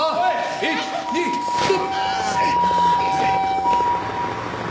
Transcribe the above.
１２３！